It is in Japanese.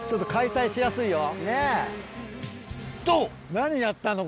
何やったの？